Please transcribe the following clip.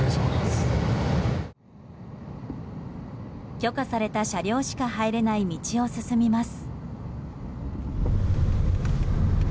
許可された車両しか入れない道を進みます。